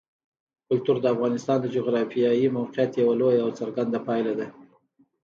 کلتور د افغانستان د جغرافیایي موقیعت یوه لویه او څرګنده پایله ده.